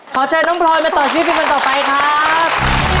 ขอเชิญน้องพลอยมาต่อชีวิตเป็นคนต่อไปครับ